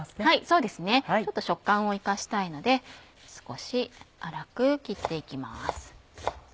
そうですねちょっと食感を生かしたいので少し粗く切っていきます。